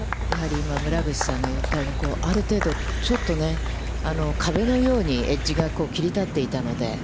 村口さんが言ったように、ある程度、ちょっとね、壁のようにエッジが切り立っていたので。